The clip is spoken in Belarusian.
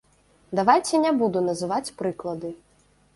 Давайце не буду называць прыклады.